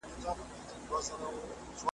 بیا یې هم له علم او ژبې سره